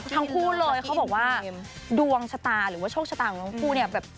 ทั้งคู่เลยเขาบอกว่าดวงชะตาหรือว่าโชคชะตาของทั้งคู่เนี่ยแบบ